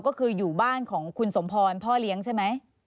ก็คืออยู่บ้านของคุณสมพรพ่อเลี้ยงใช่ไหม